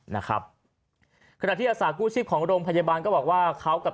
นะครับขณะที่อาสากู้ชีพของโรงพยาบาลก็บอกว่าเขากับ